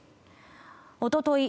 おととい